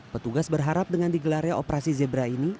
petugas berharap dengan digelarnya operasi zebra ini